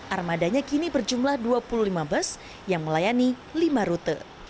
armadanya kini berjumlah dua puluh lima bus yang melayani lima rute